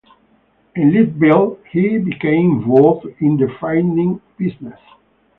In Leadville, he became involved in the freighting business.